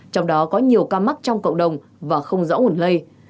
trong đó có nhiều ca mắc trong cộng đồng và không rõ nguồn lây